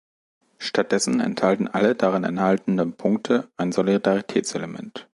Stattdessen enthalten alle darin enthaltenen Punkte ein Solidaritätselement.